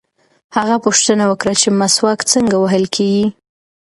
هغه پوښتنه وکړه چې مسواک څنګه وهل کېږي.